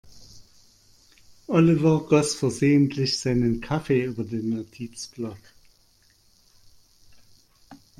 Oliver goss versehentlich seinen Kaffee über den Notizblock.